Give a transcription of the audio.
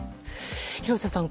廣瀬さん